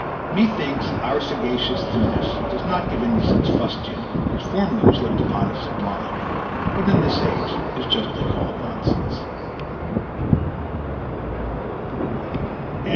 Methinks our sagacious Thuanus does not give in to such fustian, which formerly was looked upon as sublime, but in this age is justly called nonsense.